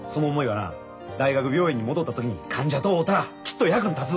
はな大学病院に戻った時に患者と会うたらきっと役に立つ。